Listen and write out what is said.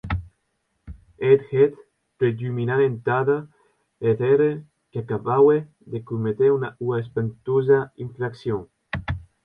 Eth hèt predominant entada eth ère, qu’acabaue de cométer ua espaventosa infraccion.